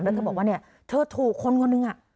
แล้วเธอบอกว่าเนี่ยเธอถูกคนคนหนึ่ง